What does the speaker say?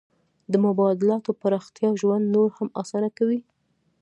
د مبادلاتو پراختیا ژوند نور هم اسانه کړ.